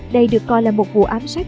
đây được coi là một vụ ám sát